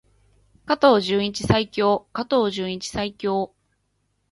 加藤純一最強！加藤純一最強！